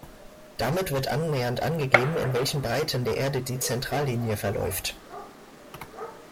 Damit wird annähernd angegeben, in welchen Breiten der Erde die Zentrallinie verläuft.